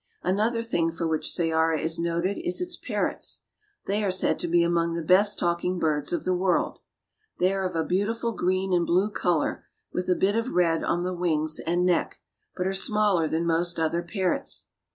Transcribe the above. Another thing for which Ceara is noted is its parrots. They are said to be among the best talking birds of the world. They are of a beautiful green and blue color, with a bit of red on the wings and neck, but are smaller than most other parrots.